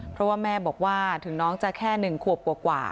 เพราะว่าแม่บอกว่าถึงน้องจะแค่หนึ่งควบกว่ากว่า